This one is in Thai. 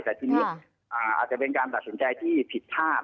แต่ทีนี้อาจจะเป็นการตัดสินใจที่ผิดพลาด